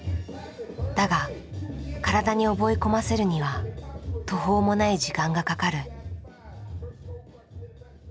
だが体に覚え込ませるには途方もない時間がかかる。